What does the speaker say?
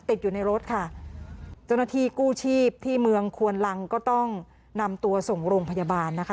ติดอยู่ในรถค่ะเจ้าหน้าที่กู้ชีพที่เมืองควนลังก็ต้องนำตัวส่งโรงพยาบาลนะคะ